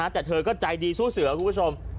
แต่เธอก็ใจดีสู้เสือคุณผู้ชม